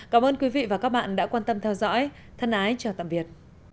cảm ơn quý vị và các bạn đã quan tâm theo dõi thân ái chào tạm biệt